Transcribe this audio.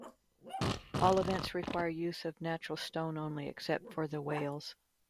All events require use of natural stone only, except for the Wales.